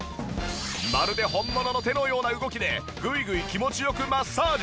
まるで本物の手のような動きでグイグイ気持ち良くマッサージ。